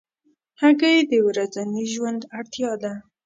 هګۍ د ورځني ژوند اړتیا ده.